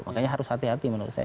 makanya harus hati hati menurut saya